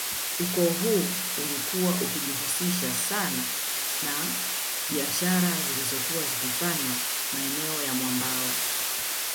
Ukoo huu ulikuwa ukijihusisha sana na biashara zilizokuwa zikifanywa maeneo ya mwambao